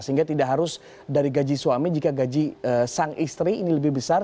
sehingga tidak harus dari gaji suami jika gaji sang istri ini lebih besar